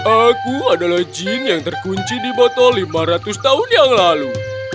aku adalah jin yang terkunci di botol lima ratus tahun yang lalu